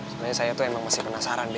sebenarnya saya tuh emang masih penasaran deh